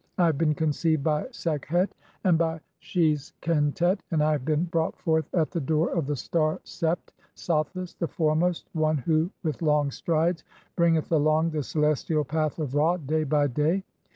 I have been conceived by Sekhet (8) and "by [Shes] Khentet, and I have been brought forth at the "door of the star Sept (Sothis), the foremost (?) one who with "long strides (9) bringeth along the celestial path of Ra day "by day.